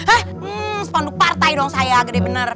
eh sepanduk partai doang saya gede bener